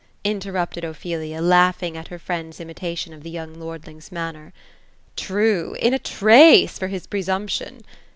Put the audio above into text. " interrupted Ophelia, laughing at her friends's imitation of the young lordling's manner. " True ;^ in a trace, for his presumption.'